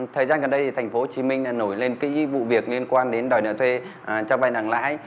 thời gian gần đây thì thành phố hồ chí minh nổi lên cái vụ việc liên quan đến đòi nợ thuê cho bài nặng lãi